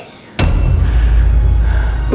kamu loyal sama mereka ya